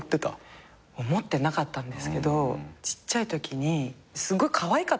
思ってなかったんですけどちっちゃいときにすごいかわいかったんですよ